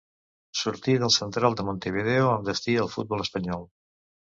Sortí del Central de Montevideo amb destí al futbol espanyol.